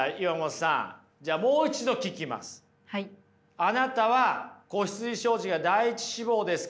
あなたは子羊商事が第１志望ですか？